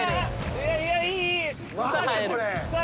いやいやいいいい！